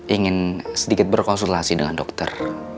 ingin sedikit berkonsultasi dengan dokter